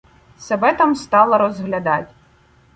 Себе там стала розглядать.